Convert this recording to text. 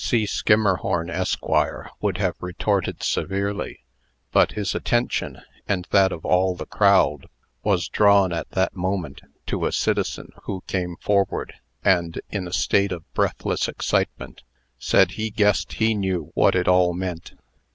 C. Skimmerhorn, Esq., would have retorted severely, but his attention, and that of all the crowd, was drawn, at that moment, to a citizen who came forward, and, in a state of beathless excitement, said he guessed he knew what it all meant.